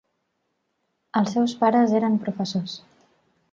Els seus pares eren professors.